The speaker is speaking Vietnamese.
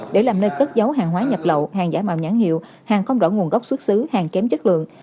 để làm nơi cất dấu hàng hóa nhập lậu hàng giả mạo nhãn hiệu hàng không rõ nguồn gốc xuất xứ hàng kém chất lượng